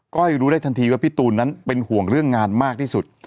้อยรู้ได้ทันทีว่าพี่ตูนนั้นเป็นห่วงเรื่องงานมากที่สุด